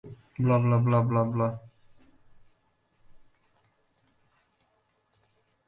Following that, Vic's adventures left him little time for Sarah.